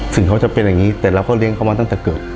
ถึงเขาจะเป็นอย่างนี้แต่เราก็เลี้ยงเขามาตั้งแต่เกิด